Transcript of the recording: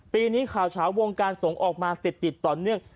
ปีนี้ข่าวเฉาวงการสงฆ์ออกมาติดต่อเนื่อง